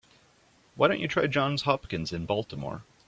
Why don't you try Johns Hopkins in Baltimore?